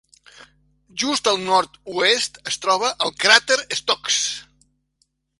Just al nord-oest es troba el cràter Stokes.